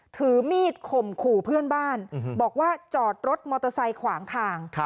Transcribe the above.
ถือมีดข่มขู่เพื่อนบ้านบอกว่าจอดรถมอเตอร์ไซค์ขวางทาง